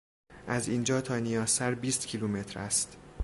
از اینجا تا نیاسر بیست کیلومتر است.